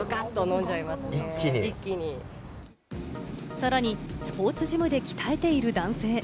さらに、スポーツジムで鍛えている男性。